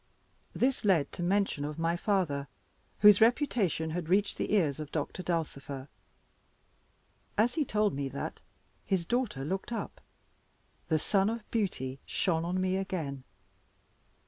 This led to the mention of my father, whose reputation had reached the ears of Doctor Dulcifer. As he told me that, his daughter looked up the sun of beauty shone on me again!